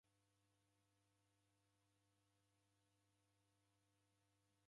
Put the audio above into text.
Ndouw'adie mndungi oghalusana maghesho.